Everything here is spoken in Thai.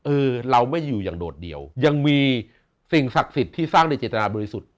เออเราไม่อยู่อย่างโดดเดี่ยวยังมีสิ่งศักดิ์สิทธิ์ที่สร้างโดยเจตนาบริสุทธิ์